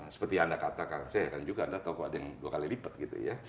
seperti anda katakan saya kan juga anda tahu kok ada yang dua kali lipat gitu ya